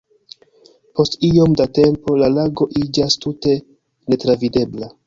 Post iom da tempo, la lago iĝas tute netravidebla.